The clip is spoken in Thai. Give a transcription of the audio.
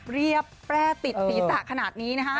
เรียบแปรติดศีรษะขนาดนี้นะคะ